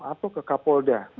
atau ke kapolda